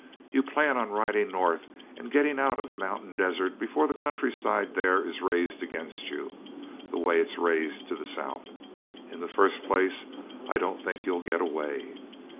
You plan on riding north and getting out of the mountain desert before the countryside there is raised against you, the way it's raised to the south. In the first place, I don't think you'll get away.